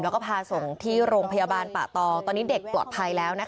แล้วก็พาส่งที่โรงพยาบาลป่าตองตอนนี้เด็กปลอดภัยแล้วนะคะ